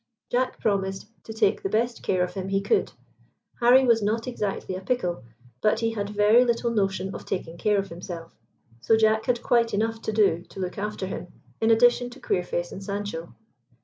Jack promised to take the best care of him he could. Harry was not exactly a pickle, but he had very little notion of taking care of himself; so Jack had quite enough to do to look after him, in addition to Queerface and Sancho.